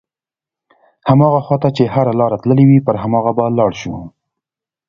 هماغه خواته چې هره لاره تللې وي پر هماغه به لاړ شو.